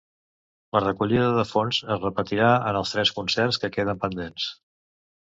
La recollida de fons es repetirà en els tres concerts que queden pendents.